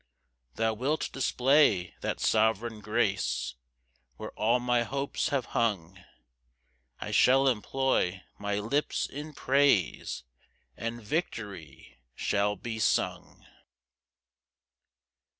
7 Thou wilt display that sovereign grace, Where all my hopes have hung; I shall employ my lips in praise, And victory shall be sung.